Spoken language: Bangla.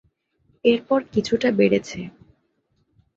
এরপর কিছুটা বেড়েছে।